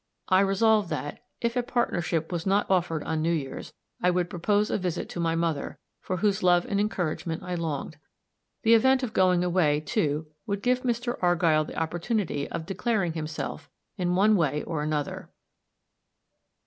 I resolved that, if a partnership was not offered on New Year's, I would propose a visit to my mother, for whose love and encouragement I longed. The event of going away, too, would give Mr. Argyll the opportunity of declaring himself in one way or another.